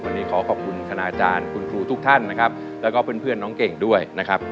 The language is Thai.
วันนี้ขอขอบคุณคณาจารย์คุณครูทุกท่านนะครับแล้วก็เพื่อนน้องเก่งด้วยนะครับ